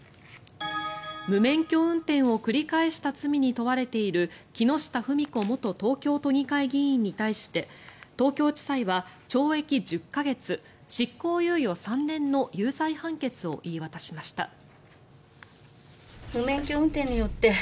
無免許運転を繰り返した罪に問われている木下富美子元東京都議会議員に対して東京地裁は懲役１０か月執行猶予３年の有罪判決を言い渡しました。